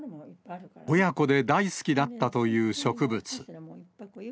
親子で大好きだったという植物。